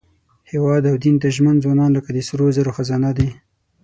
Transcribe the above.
هېواد او دین ته ژمن ځوانان لکه د سرو زرو خزانه دي.